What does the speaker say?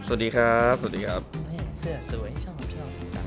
เสื้อสวยชอบ